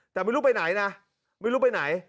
แต่ไม่รู้ไปไหนนะไม่รู้ไปไหน